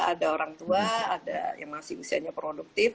ada orang tua ada yang masih usianya produktif